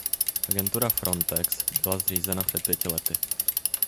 Agentura Frontex byla zřízena před pěti lety.